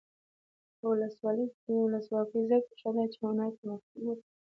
ولسواکي ځکه ښه ده چې هنر پرمختګ ورکوي.